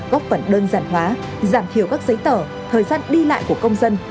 góp phần đơn giản hóa giảm thiểu các giấy tờ thời gian đi lại của công dân